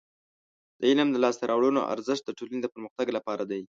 د علم د لاسته راوړنو ارزښت د ټولنې د پرمختګ لپاره دی.